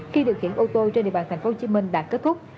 khi điều khiển ô tô trên địa bàn tp hcm đã kết thúc